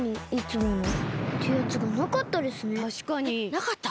なかった？